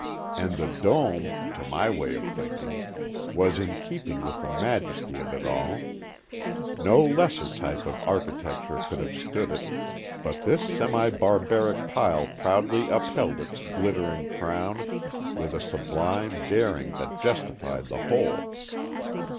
And the dome, to my way of thinking, was in keeping with the majesty of it all. No lesser type of architecture could have stood it, but this semi barbaric pile proudly upheld its glittering crown with a sublime daring that justified the whole.